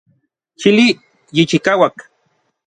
Chili yichikauak.